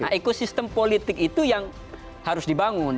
nah ekosistem politik itu yang harus dibangun